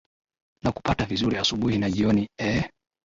nakupata vizuri asubuhi na jioni ee